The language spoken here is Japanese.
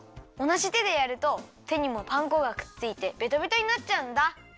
おなじてでやるとてにもパン粉がくっついてベタベタになっちゃうんだ。